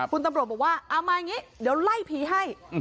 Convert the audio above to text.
คุณตำรวจบอกว่าเอามาอย่างนี้เดี๋ยวไล่ผีให้